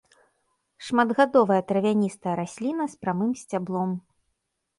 Шматгадовая травяністая расліна з прамым сцяблом.